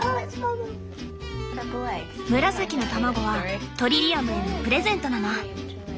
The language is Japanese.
紫の卵はトリリアムへのプレゼントなの。